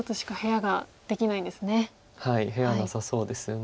はい部屋はなさそうですよね。